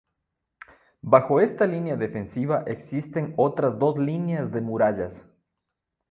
Bajo esta línea defensiva existen otras dos líneas de murallas.